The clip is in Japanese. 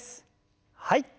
はい。